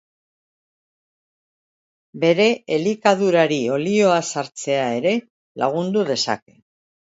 Bere elikadurari olioa sartzea ere lagundu dezake.